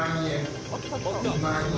２万円。